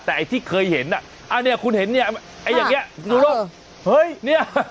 แต่ไอ้ที่เคยเห็นอ่ะอันนี้คุณเห็นเนี่ยไอ้อย่างเงี้ดูแล้วเฮ้ยเนี่ย